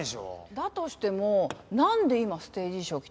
だとしてもなんで今ステージ衣装着てるの？